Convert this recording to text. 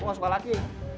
gua gak suka laki